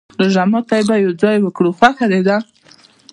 روژه ماته به يو ځای وکرو، خوښه دې ده؟